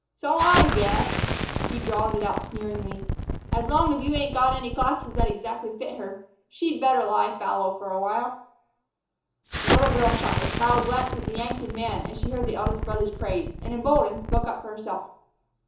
So I guess" he drawled it out sneeringly "as long as you ain't got any classes that exactly fit her, she'd better lie fallow for a while." The little girl shot a proud glance at the Yankton man as she heard the eldest brother's praise, and, emboldened, spoke up for herself.